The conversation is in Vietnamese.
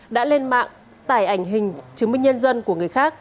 đã lên mạng tải ảnh hình chứng minh nhân dân của người khác